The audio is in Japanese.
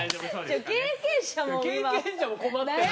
経験者も困ってる。